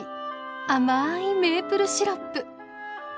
甘いメープルシロップ。